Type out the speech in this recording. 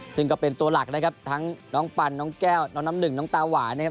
ซึ่งก็เป็นตัวหลักนะครับทั้งน้องปันน้องแก้วน้องน้ำหนึ่งน้องตาหวานนะครับ